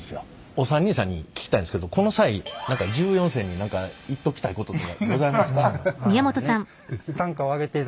お三人さんに聞きたいんですけどこの際１４世に何か言っときたいこととかございますか？